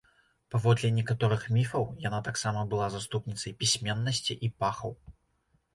Паводле некаторых міфаў, яна таксама была заступніцай пісьменнасці і пахаў.